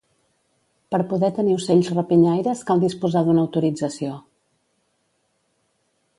Per poder tenir ocells rapinyaires cal disposar d'una autorització.